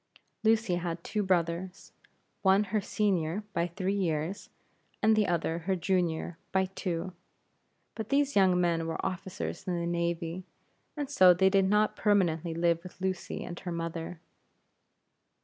Lucy had two brothers; one her senior, by three years, and the other her junior by two. But these young men were officers in the navy; and so they did not permanently live with Lucy and her mother.